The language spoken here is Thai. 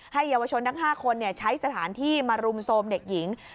เยาวชนทั้ง๕คนใช้สถานที่มารุมโทรมเด็กหญิง